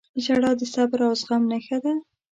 • ژړا د صبر او زغم نښه ده.